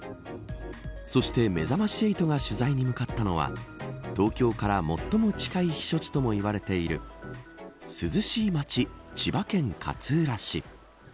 そしてめざまし８が取材に向かったのは東京から最も近い避暑地ともいわれている涼しい町、千葉県勝浦市。